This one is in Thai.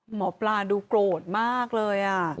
หมอปลาดูโกรธมากเลย